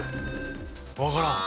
わからん。